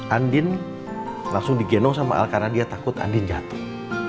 andin langsung digendong sama al karena dia takut andin jatuh